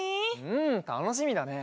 うんたのしみだね。